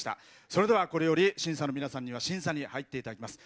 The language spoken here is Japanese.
それでは、これより審査の皆さんには審査に入っていただきます。